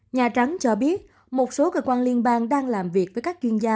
nhà trắng cho biết một số cơ quan liên bang đang làm việc với các chuyên gia